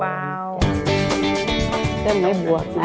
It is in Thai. เครื่องไหมบวกน่ะ